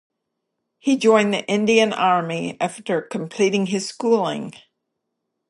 He joined the Indian Army after completing his schooling.